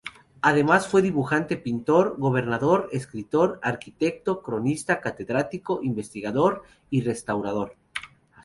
Además fue dibujante, pintor, grabador, escritor, arquitecto, cronista, catedrático, investigador y restaurador.